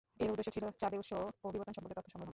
এর উদ্দেশ্য ছিল চাঁদের উৎস ও বিবর্তন সম্পর্কে তথ্য সংগ্রহ।